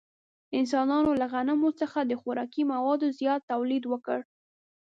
انسانانو له غنمو څخه د خوراکي موادو زیات تولید وکړ.